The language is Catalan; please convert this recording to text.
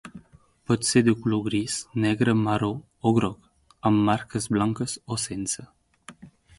Pot ser de color gris, negre marró o groc, amb marques blanques o sense.